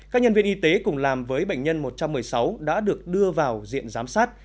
các nhân viên y tế cùng làm với bệnh nhân một trăm một mươi sáu đã được đưa vào diện giám sát